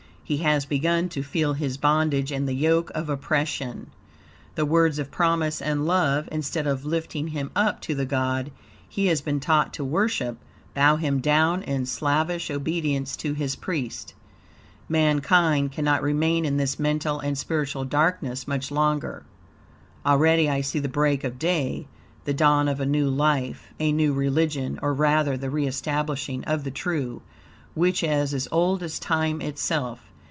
He has begun to feel his bondage and the yoke of oppression. The words of promise and love, instead of lifting him up to the God he has been taught to worship, bow him down in slavish obedience to his priest. Mankind cannot remain in this mental and spiritual darkness much longer. Already I see the break of day, the dawn of a new life, a new religion; or, rather, the re establishing of the true, which is as old as Time itself.